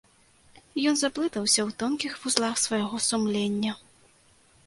Ён заблытаўся ў тонкіх вузлах свайго сумлення.